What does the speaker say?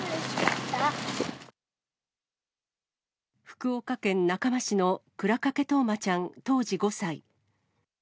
福岡県中間市の倉掛冬生ちゃん当時５歳。